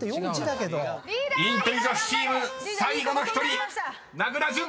［インテリ女子チーム最後の１人名倉潤！］